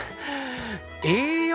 栄養！